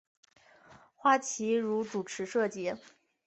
花琦如主持设计。